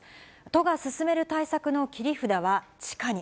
都が進める対策の切り札は地下に。